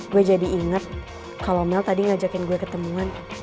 gue jadi inget kalau mel tadi ngajakin gue ketemuan